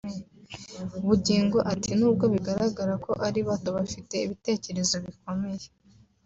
Bugingo ati “Nubwo bigaragara ko ari bato bafite ibitekerezo bikomeye